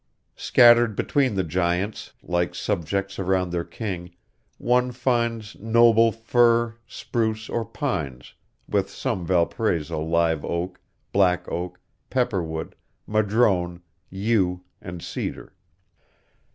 Scattered between the giants, like subjects around their king, one finds noble fir, spruce, or pines, with some Valparaiso live oak, black oak, pepper wood, madrone, yew, and cedar.